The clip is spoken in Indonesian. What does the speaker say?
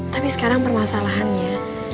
tapi sekarang permasalahannya